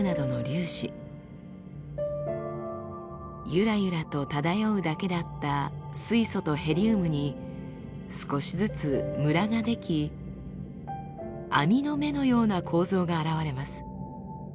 ゆらゆらと漂うだけだった水素とヘリウムに少しずつムラが出来網の目のような構造が現れます。